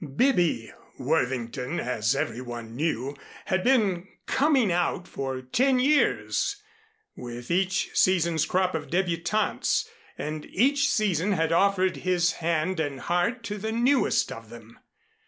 "Bibby" Worthington, as everybody knew, had been "coming out" for ten years, with each season's crop of debutantes, and each season had offered his hand and heart to the newest of them.